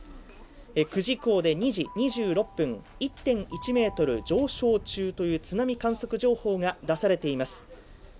久慈港で２時２６分１．１ｍ上昇中という津波観測情報が出されています。